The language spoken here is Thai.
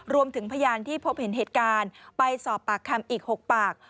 พยานที่พบเห็นเหตุการณ์ไปสอบปากคำอีก๖ปาก